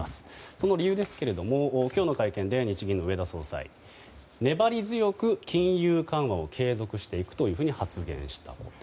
その理由ですが今日の会見で日銀の植田総裁は粘り強く金融緩和を継続していくと発言したこと。